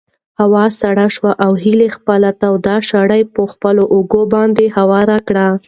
هوا سړه شوه او هیلې خپله توده شړۍ په خپلو اوږو باندې هواره کړه.